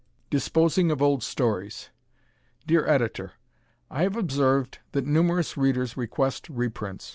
Disposing of Old Stories Dear Editor: I have observed that numerous readers request reprints.